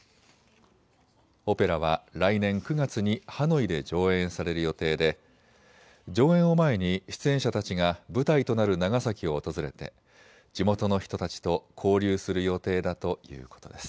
オペラは来年９月にハノイで上演される予定で上演を前に出演者たちが舞台となる長崎を訪れて地元の人たちと交流する予定だということです。